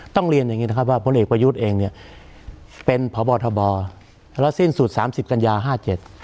ต้องเรียนอย่างงี้นะครับว่าพลเอกประยุทธ์เองเนี่ยเป็นพบทบแล้วสิ้นสุดสามสิบกัญญาห้าเจ็ด